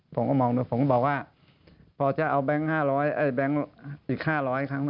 ผมก็บอกว่าพอจะเอาแบงค์อีก๕๐๐ครั้ง